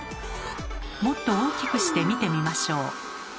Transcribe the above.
もっと大きくして見てみましょう。